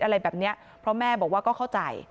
อะไรแบบนี้เพราะแม่บอกว่าก็เข้าใจ